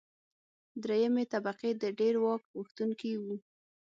درېیمې طبقې د ډېر واک غوښتونکي وو.